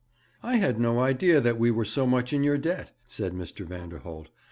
'I had no idea that we were so much in your debt,' said Mr. Vanderholt.